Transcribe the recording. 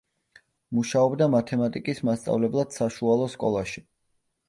მუშაობდა მათემატიკის მასწავლებლად საშუალო სკოლაში.